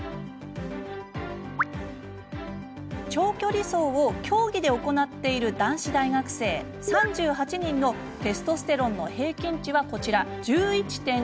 長距離走を競技で行っている男子大学生３８人のテストステロンの平均値は１１．１。